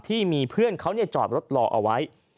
ที่มีเพื่อนเขาจอดรถรอเอาไว้